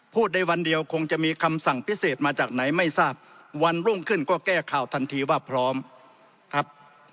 ในวันเดียวคงจะมีคำสั่งพิเศษมาจากไหนไม่ทราบวันรุ่งขึ้นก็แก้ข่าวทันทีว่าพร้อมครับ